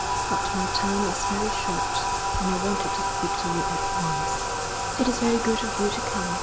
'But my time is very short, and I wanted to speak to you at once.' 'It is very good of you to come.'